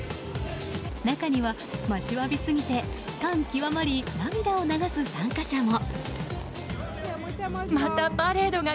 中には待ちわびすぎて感極まり涙を流す参加者も。